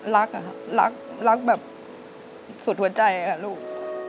รักอะค่ะรักรักแบบสุดหัวใจค่ะลูก